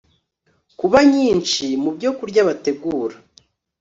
kuba nyinshi mu byokurya bategura